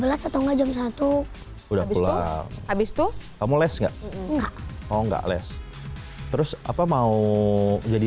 dua belas atau jam satu udah pulang habis tuh kamu les nggak nggak oh nggak les terus apa mau jadi